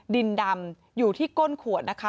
ดินดำอยู่ที่ก้นขวดนะคะ